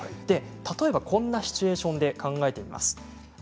例えば、こんなシチュエーションを考えました。